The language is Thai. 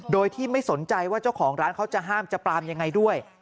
โดยที่ไม่สนใจว่าเจ้าของร้านเขาจะห้ามจะปรามยังไงด้วย